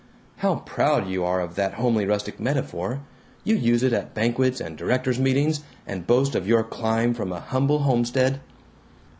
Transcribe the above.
"How proud you are of that homely rustic metaphor! You use it at 'banquets' and directors' meetings, and boast of your climb from a humble homestead."